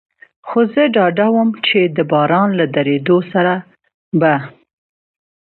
خو زه ډاډه ووم، چې د باران له درېدو سره به.